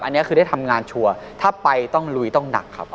อันนี้คือได้ทำงานชัวร์ถ้าไปต้องลุยต้องหนักครับ